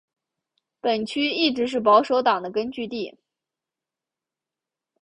本区一直是保守党的根据地。